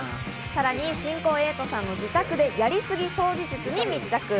さらに新婚、瑛人さんの自宅でやりすぎ掃除術に密着。